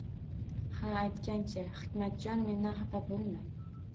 Ha aytgancha, Hikmatjon, mendan xafa boʻlma.